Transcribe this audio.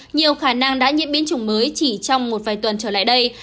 nhiều khả năng đã nhiễm biến chủng mới chỉ trong một vài tuần trở lại đây